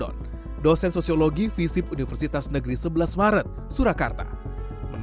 mohon maaf benny tolong video ini jangan disebarluaskan